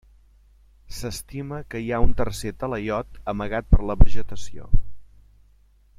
S'estima que hi ha un tercer talaiot amagat per la vegetació.